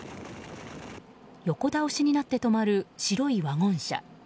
横倒しになって止まる白いワゴン車。